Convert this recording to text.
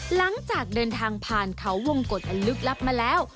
หลังจากเดินทางผ่านเขาวงกฎอันลึกลับมาแล้ว